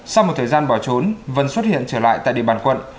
sau một thời gian bỏ trốn vân xuất hiện trở lại tại địa bàn quận